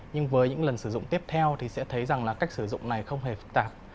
nhưng với những lần sử dụng tiếp theo thì sẽ thấy rằng là cách sử dụng này không hề phức tạp